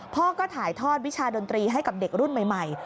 พ่อก็ถ่ายทอดวิชาดนตรีให้กับเด็กรุ่นใหม่